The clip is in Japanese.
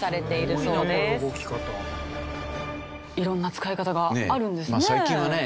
色んな使い方があるんですね。